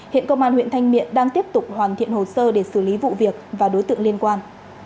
hiện công an huyện thanh miện đang tiếp tục hoàn thiện hồ sơ để xử lý vụ việc và đối tượng liên quan